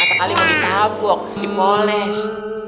paling mungkin abu di poles